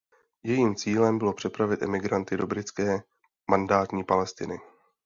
Jejím cílem bylo přepravit emigranty do britské mandátní Palestiny.